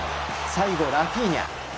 最後、ラフィーニャ。